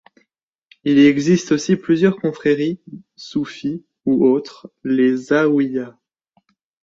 Il existe aussi plusieurs confréries soufies ou autres, les zaouïas.